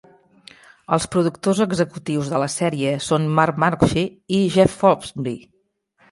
Els productors executius de la sèrie són Mark Mannucci i Jeff Folmsbee.